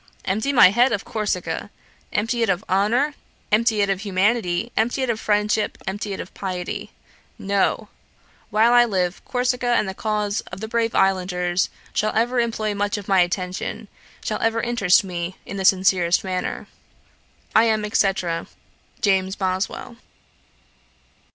Empty my head of Corsica! Empty it of honour, empty it of humanity, empty it of friendship, empty it of piety. No! while I live, Corsica and the cause of the brave islanders shall ever employ much of my attention, shall ever interest me in the sincerest manner. 'I am, &c. 'JAMES BOSWELL.'